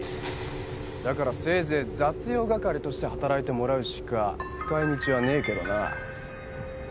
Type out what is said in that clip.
だからせいぜい雑用係として働いてもらうしか使い道はねえけどな。